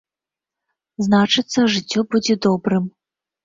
Значыцца, жыццё будзе добрым.